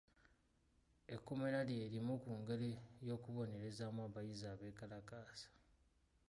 Ekkomera lye limu ku ngeri y'okubonerezaamu abayizi abeekalakaasa.